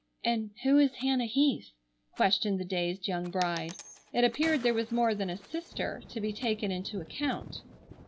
"And who is Hannah Heath?" questioned the dazed young bride. It appeared there was more than a sister to be taken into account.